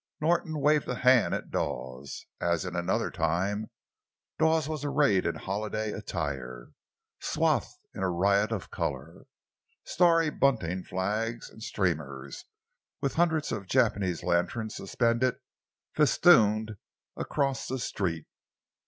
Norton waved a hand at Dawes. As in another time, Dawes was arrayed in holiday attire, swathed in a riot of color—starry bunting, flags, and streamers, with hundreds of Japanese lanterns suspended festoonlike across the streets.